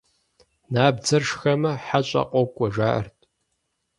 Набдзэр шхэмэ, хьэщӀэ къокӀуэ, жаӀэрт.